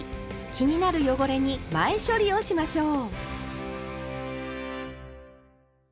気になる汚れに前処理をしましょう。